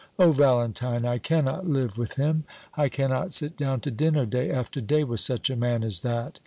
O Valentine, I cannot live with him; I cannot sit down to dinner day after day with such a man as that.